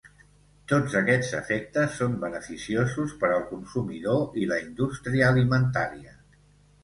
Tots aquests efectes són beneficiosos per al consumidor i la indústria alimentària.